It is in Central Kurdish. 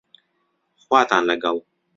خواتان لەگەڵ